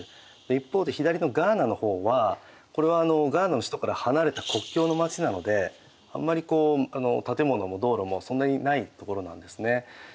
一方で左のガーナの方はこれはガーナの首都から離れた国境の街なのであんまり建物も道路もそんなにないところなんですね。